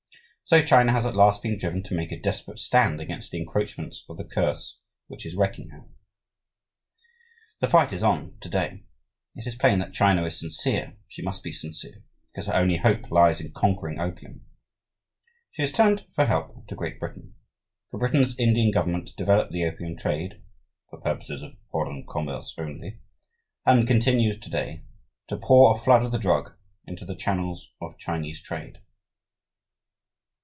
So China has at last been driven to make a desperate stand against the encroachments of the curse which is wrecking her. The fight is on to day. It is plain that China is sincere; she must be sincere, because her only hope lies in conquering opium. She has turned for help to Great Britain, for Britain's Indian government developed the opium trade ("for purposes of foreign commerce only") and continues to day to pour a flood of the drug into the channels of Chinese trade.